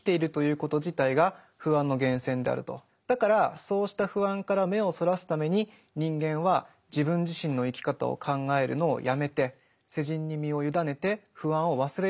つまりだからそうした不安から目をそらすために人間は自分自身の生き方を考えるのをやめてと彼は言っています。